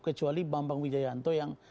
kecuali bambang wijayanto yang